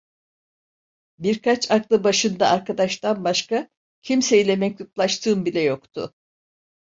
Birkaç aklı başında arkadaştan başka kimseyle mektuplaştığım bile yoktu.